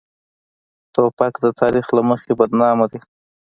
توپک د تاریخ له مخې بدنامه ده.